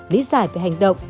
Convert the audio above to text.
lý giải về hành động